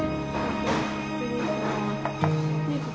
失礼します。